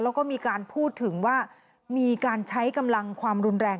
แล้วก็มีการพูดถึงว่ามีการใช้กำลังความรุนแรง